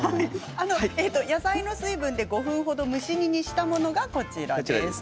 野菜の水分で５分程蒸し煮にしたものがあります。